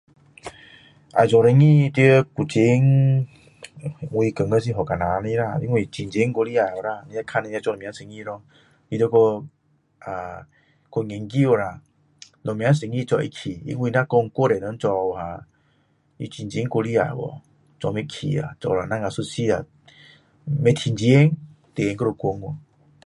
要做生意在古晋我觉得是蛮困难的啦因为竞争太厉害了啦要看你要做什么生意咯比如说啊去研究啦什么生意做会起因为若讲太多人做了竞争太厉害了做不起啊做了等下一阵子不会赚钱店还要关掉